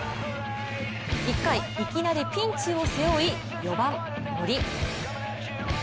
１回、いきなりピンチを背負い４番・森。